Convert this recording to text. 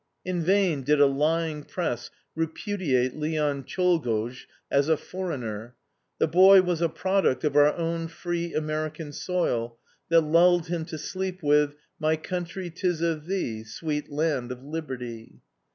In vain did a lying press repudiate Leon Czolgosz as a foreigner. The boy was a product of our own free American soil, that lulled him to sleep with, My country, 'tis of thee, Sweet land of liberty.